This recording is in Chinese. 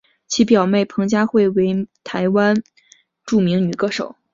其表妹彭佳慧为台湾著名女歌手。